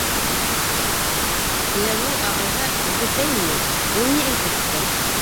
— Ныязғол ағайға белгертәйемме, ул ни әйтер икән?